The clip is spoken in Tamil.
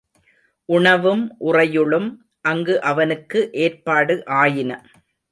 உணவும் உறையுளும் அங்கு அவனுக்கு ஏற்பாடு ஆயின.